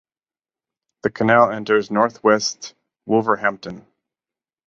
The canal enters north-west Wolverhampton.